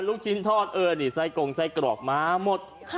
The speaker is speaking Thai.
ลูกชิ้นทอดไส้กรงไส้กรอบมะหมด